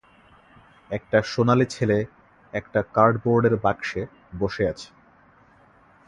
একটা সোনালী ছেলে একটা কার্ডবোর্ডের বাক্সে বসে আছে।